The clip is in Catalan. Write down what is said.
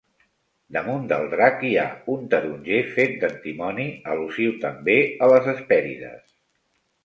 Damunt del drac hi ha un taronger fet d'antimoni, al·lusiu també a les Hespèrides.